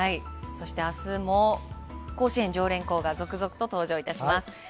あすも甲子園常連校が続々と登場いたします。